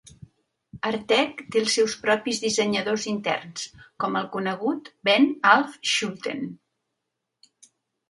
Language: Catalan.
Artek té els seus propis dissenyadors interns, com el conegut Ben af Schulten.